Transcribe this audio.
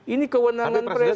ini kewenangan presiden